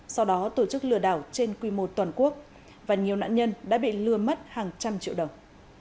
sau đó tổ chức lừa đảo trên quy mô toàn quốc và nhiều nạn nhân đã bị lừa mất hàng trăm triệu đồng